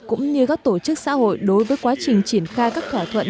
cũng như các tổ chức xã hội đối với quá trình triển khai các thỏa thuận